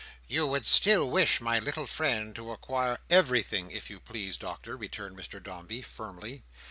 You would still wish my little friend to acquire—" "Everything, if you please, Doctor," returned Mr Dombey, firmly.